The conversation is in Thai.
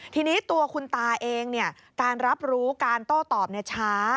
ทีนี้ตัวคุณตาเองการรับรู้การโต้ตอบช้า